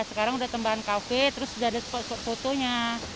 sekarang udah tambahan kafe terus udah ada fotonya